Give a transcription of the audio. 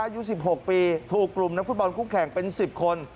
อายุ๑๖ปีถูกกลุ่มนักฟุตบอลคู่แข่งเป็น๑๐คน